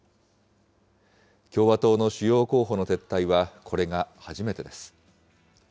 共和党の主要候補の撤退は、これが初めてです。